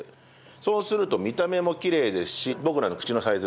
そうすると見た目もきれいですし僕らの口のサイズ